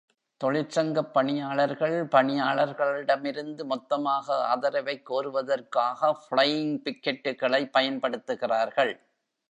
தொழிற்சங்கப் பணியாளர்கள் பணியாளர்களிடமிருந்து மொத்தமாக ஆதரவைக் கோருவதற்காக ஃபிளையிங் பிக்கெட்டுகளை பயன்படுத்துகிறார்கள்.